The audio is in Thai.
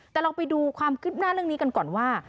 แต่เราไปดูความคืบหน้าเรื่องนี้กันก่อนว่า